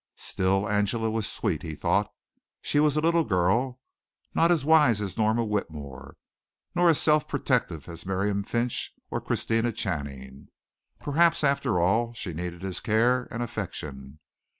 Still Angela was sweet, he thought. She was a little girl not as wise as Norma Whitmore, not as self protective as Miriam Finch or Christina Channing. Perhaps after all she needed his care and affection.